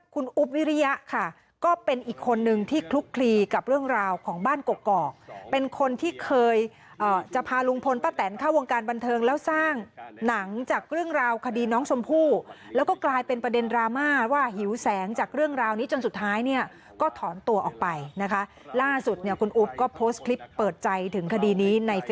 คุณอุ๊บวิริยะค่ะก็เป็นอีกคนนึงที่คลุกคลีกับเรื่องราวของบ้านกกอกเป็นคนที่เคยจะพาลุงพลป้าแตนเข้าวงการบันเทิงแล้วสร้างหนังจากเรื่องราวคดีน้องชมพู่แล้วก็กลายเป็นประเด็นดราม่าว่าหิวแสงจากเรื่องราวนี้จนสุดท้ายเนี่ยก็ถอนตัวออกไปนะคะล่าสุดเนี่ยคุณอุ๊บก็โพสต์คลิปเปิดใจถึงคดีนี้ใน